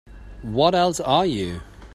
What else are you?